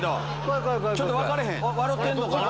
笑うてんのかな？